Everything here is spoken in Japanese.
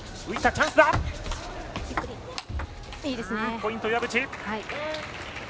ポイント、岩渕。